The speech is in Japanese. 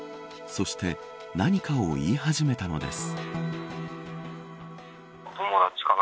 そして何かを言い始めたのです。